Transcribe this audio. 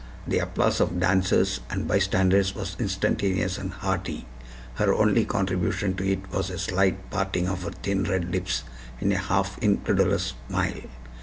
The applause of dancers and bystanders was instantaneous and hearty; her only contribution to it was a slight parting of her thin red lips in a half incredulous smile.